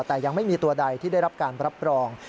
แต่ยังไม่มีตัวใดที่ได้รับการรับรอง